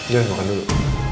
jangan makan dulu